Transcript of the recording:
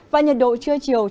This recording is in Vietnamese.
và nhiệt độ trưa chiều